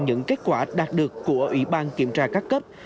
những kết quả đạt được của ủy ban kiểm tra các cấp